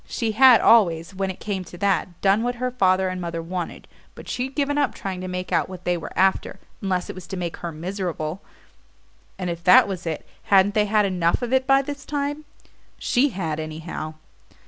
She had always, when it came to that, done what her father and mother wanted, but she'd given up trying to make out what they were after, unless it was to make her miserable; and if that was it, hadn't they had enough of it by this time? She had, anyhow.